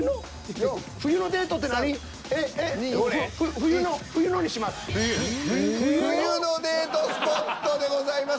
「冬のデートスポット」でございます。